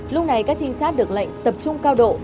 lúc này các chính xác được lệnh tập trung cao độ